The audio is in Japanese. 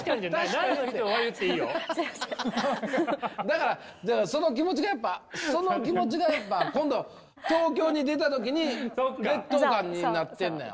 だからその気持ちがやっぱその気持ちがやっぱ今度東京に出た時に劣等感になってんのやわ。